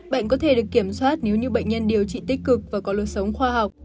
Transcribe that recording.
bệnh có thể được kiểm soát nếu như bệnh nhân điều trị tích cực và có lối sống khoa học